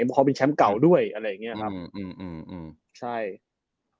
เพราะเขาเป็นแชมป์เก่าด้วยอะไรอย่างนี้ครับ